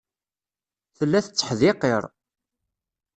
Tella tetteḥdiqir.